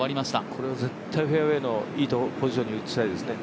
これは絶対フェアウエーのいいポジションに打ちたいですね。